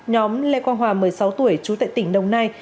nhóm lê quang hòa một mươi sáu tuổi trú tại tỉnh đồng nai